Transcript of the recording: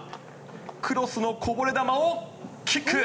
クロスのこぼれ球をキック。